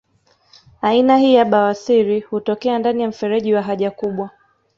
Aina hii ya bawasiri hutokea ndani ya mfereji wa haja kubwa